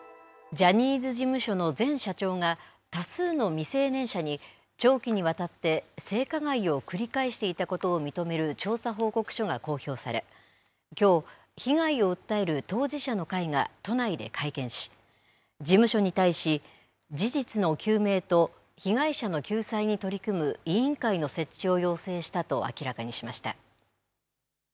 ジャニーズ事務所の前社長が、多数の未成年者に長期にわたって性加害を繰り返していたことを認める調査報告書が公表され、きょう、被害を訴える当事者の会が都内で会見し、事務所に対し、事実の究明と被害者の救済に取り組む委員会の設置を要請したと明らかにしました。